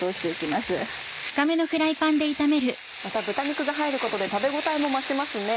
また豚肉が入ることで食べ応えも増しますね。